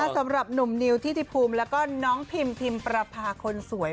สำหรับหนุ่มนิวทิติภูมิแล้วก็น้องพิมพิมประพาคนสวย